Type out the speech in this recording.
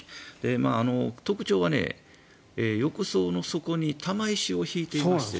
特徴は浴槽の底に玉石を敷いていまして。